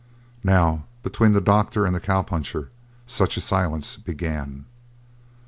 Now, between the doctor and the cowpuncher, such a silence began.